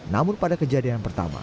namun pada kejadian pertama